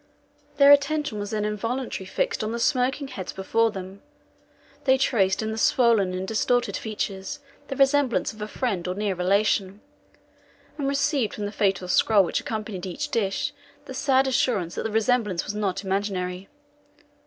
"Their attention was then involuntarily fixed on the smoking heads before them. They traced in the swollen and distorted features the resemblance of a friend or near relation, and received from the fatal scroll which accompanied each dish the sad assurance that this resemblance was not imaginary.